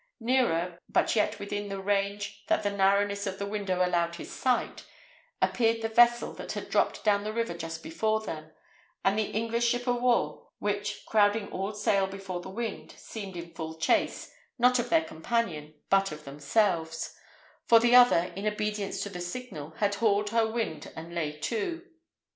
Nearer, but yet within the range that the narrowness of the window allowed his sight, appeared the vessel that had dropped down the river just before them, and the English ship of war, which, crowding all sail before the wind, seemed in full chase, not of their companion, but of themselves; for the other, in obedience to the signal, had hauled her wind and lay to.